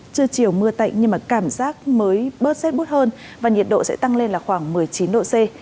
trưa chiều mưa tạnh nhưng mà cảm giác mới bớt rét bút hơn và nhiệt độ sẽ tăng lên là khoảng một mươi chín độ c